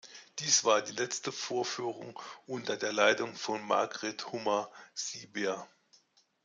Dies war die letzte Vorführung unter der Leitung von Margit Humer-Seeber.